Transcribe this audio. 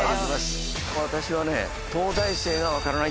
私はね。